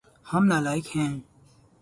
ہم نالائق ہیے